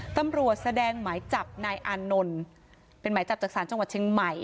ตำรวจแสดงหมายจับนายอานนท์เป็นหมายจับจากศาลจังหวัดเชียงใหม่